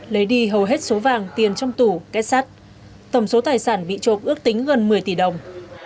lấy đi hầu hết số vàng tiền trong tủ kết sát tổng số tài sản bị trộm ước tính gần một mươi tỷ đồng